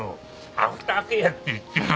アフターケアって言ってよ。